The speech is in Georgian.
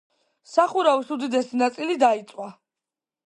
სახურავის უდიდესი ნაწილი დაიწვა.